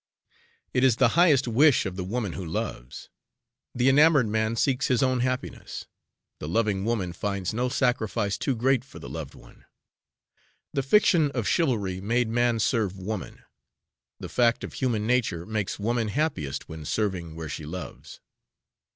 It is the highest wish of the woman who loves. The enamored man seeks his own happiness; the loving woman finds no sacrifice too great for the loved one. The fiction of chivalry made man serve woman; the fact of human nature makes woman happiest when serving where she loves.